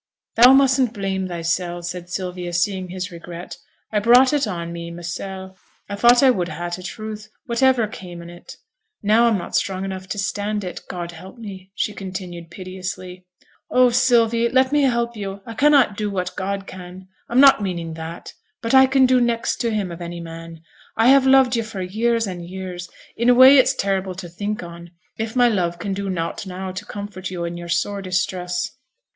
'Thou mustn't blame thysel',' said Sylvia, seeing his regret. 'I brought it on me mysel'; I thought I would ha' t' truth, whativer came on it, and now I'm not strong enough to stand it, God help me!' she continued, piteously. 'Oh, Sylvie, let me help yo'! I cannot do what God can, I'm not meaning that, but I can do next to Him of any man. I have loved yo' for years an' years, in a way it's terrible to think on, if my love can do nought now to comfort yo' in your sore distress.'